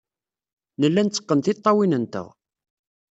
Nella netteqqen tiṭṭawin-nteɣ.